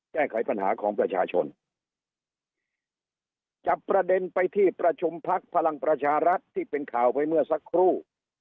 แก้ไขปัญหาของประชาชนจับประเด็นไปที่ประชุมพักพลังประชารัฐที่เป็นข่าวไปเมื่อสักครู่